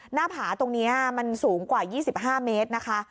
หน้าผาตรงนี้มันสูงกว่า๒๕เมตรนะคะ